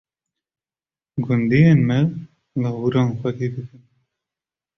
Gundiyên me, lawiran xwedî dikin.